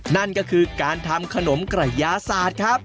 นั่นก็คือการทำขนมกระยาศาสตร์ครับ